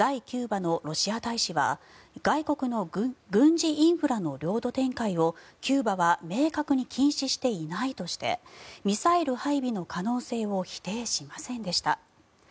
キューバのロシア大使は外国の軍事インフラの領土展開をキューバは明確に禁止していないとしてミサイル配備の可能性を否定しませんでした。